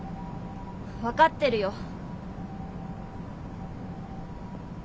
分かってるよ。